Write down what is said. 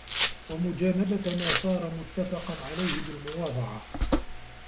وَمُجَانَبَةَ مَا صَارَ مُتَّفَقًا عَلَيْهِ بِالْمُوَاضَعَةِ